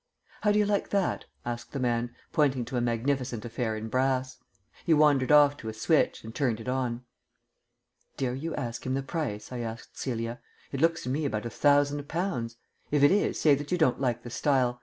"How do you like that?" asked the man, pointing to a magnificent affair in brass. He wandered off to a switch, and turned it on. "Dare you ask him the price?" I asked Celia. "It looks to me about a thousand pounds. If it is, say that you don't like the style.